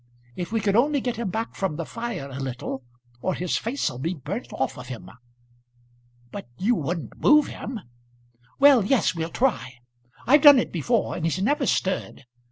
If we could only get him back from the fire a little, or his face'll be burnt off of him." "But you wouldn't move him?" "Well, yes; we'll try. I've done it before, and he's never stirred.